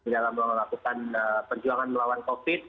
dalam melakukan perjuangan melawan covid